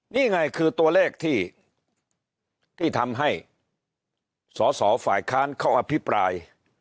นี่ไงคือตัวเลขที่ทำให้สอสอฝ่ายค้านเขาอภิปราย